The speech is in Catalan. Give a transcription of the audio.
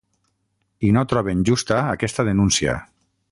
I no troben justa aquesta denúncia.